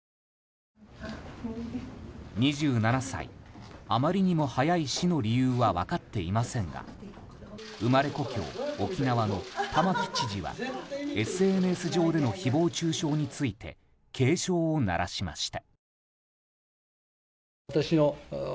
２７歳あまりにも早い死の理由は分かっていませんが生まれ故郷・沖縄の玉城知事はＳＮＳ上での誹謗中傷について警鐘を鳴らしました。